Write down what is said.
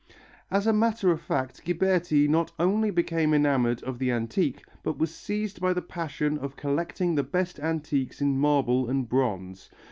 As a matter of fact Ghiberti not only became enamoured of the antique, but was seized by the passion of collecting the best antiques in marble and bronze.